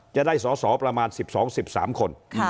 จะได้สอสอประมาณ๑๒๑๓คน